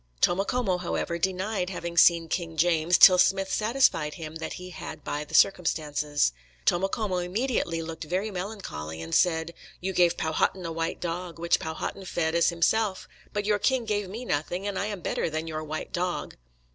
Tomocomo, however, denied having seen King James till Smith satisfied him that he had by the circumstances. Tomocomo immediately looked very melancholy and said: "You gave Powhatan a white dog, which Powhatan fed as himself, but your king gave me nothing, and I am better than your white dog."